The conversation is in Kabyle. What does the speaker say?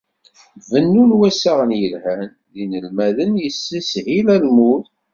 Bennu n wassaɣen yelhan d yinelmaden yessishil almud.